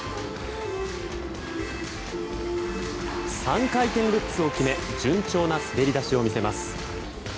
３回転ルッツを決め順調な滑り出しを見せます。